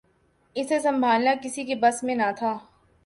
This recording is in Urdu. اسے سنبھالنا کسی کے بس میں نہ تھا